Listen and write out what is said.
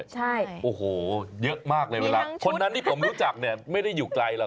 แล้วก็บางคนที่ผมรู้จักเนี่ย